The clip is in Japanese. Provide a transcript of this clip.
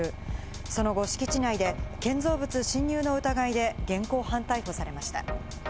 その後、敷地内で建造物侵入の疑いで現行犯逮捕されました。